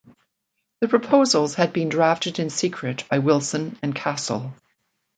The proposals had been drafted in secret by Wilson and Castle.